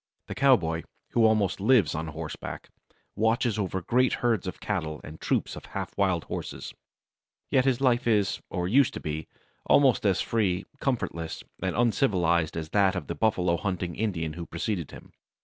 The cowboy, who almost lives on horseback, watches over great herds of cattle and troops of half wild horses. Yet his life is, or used to be, almost as free, comfortless, and uncivilized as that of the buffalo hunting Indian who preceded him.